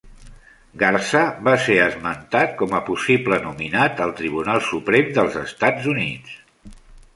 Garza va ser esmentat com a possible nominat al Tribunal Suprem del Estats Units.